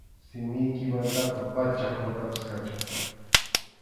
Simiykimantaqa pachak watapas kachun.